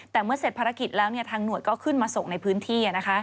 แต่เมื่อเสร็จภารกิจแล้วทางหน่วยก็ขึ้นมาส่งในพื้นที่